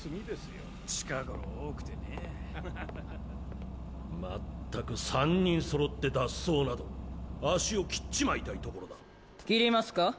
近頃多くてねぇ（警官まったく三人そろって脱走など足を切っちまいたいところだ切りますか？